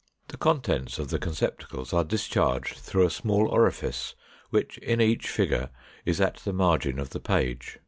The contents of the conceptacles are discharged through a small orifice which in each figure is at the margin of the page.